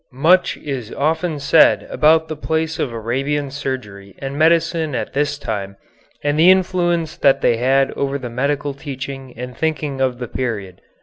Much is often said about the place of Arabian surgery and medicine at this time, and the influence that they had over the medical teaching and thinking of the period.